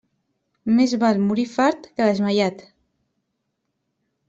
Més val morir fart que desmaiat.